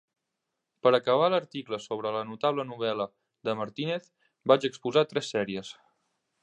Per acabar l'article sobre la notable novel·la de Martínez vaig exposar tres sèries.